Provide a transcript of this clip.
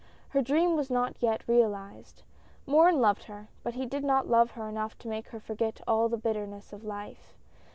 Her dream was not yet realized. Morin loved her, but did he love her enough to make her forget all the bitternesses of life.